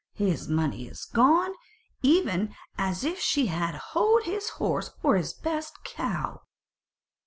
his money is gone, even as if she had houghed his horse or his best cow."